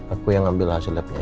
aku yang ambil hasil liatnya ya